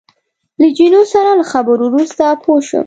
له جینو سره له خبرو وروسته پوه شوم.